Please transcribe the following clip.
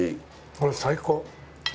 これ最高！